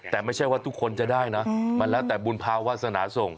แต่ไม่ใช่ว่าทุกคนจะได้นะทั้งและแต่บุญพาวาสนาทรรม